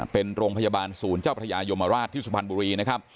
เป็นโรงพยาบาลศูนย์เจ้าพระยายมราชที่สุพรรณบุรีนะครับ